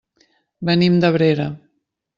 Venim d'Abrera.